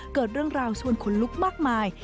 เกิดเรื่องราวชวนขนลุกมากมาย